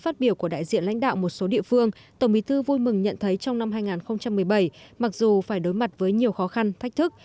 tổng bí thư vui mừng nhận thấy trong năm hai nghìn một mươi bảy mặc dù phải đối mặt với nhiều khó khăn thách thức